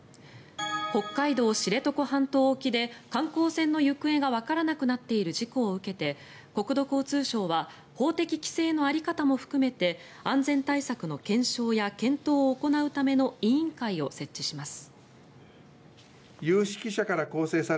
北海道・知床半島沖で観光船の行方がわからなくなっている事故を受けて国土交通省は法的規制の在り方も含めて安全対策の検証や検討を行うための委員会を設置します。